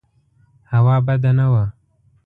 هوا بده نه وه.